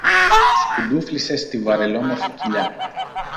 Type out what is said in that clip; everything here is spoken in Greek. σκουντούφλησε στη βαρελόμορφη κοιλιά